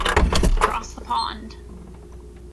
Across the pond.